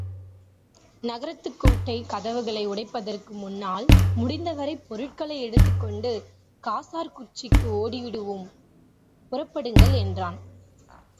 நகரத்துக் கோட்டைக் கதவுகளை உடைப்பதற்கு முன்னால், முடிந்தவரை பொருள்களை எடுத்துக் கொண்டு காசர்குச்சிக்கு ஓடிவிடுவோம், புறப்படுங்கள் என்றான்.